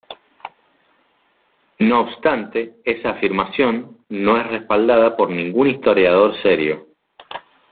No obstante, esa afirmación no es respaldada por ningún historiador serio.